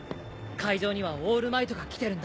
会場にはオールマイトが来てるんだ。